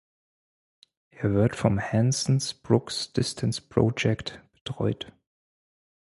Er wird vom "Hansons-Brooks Distance Project" betreut.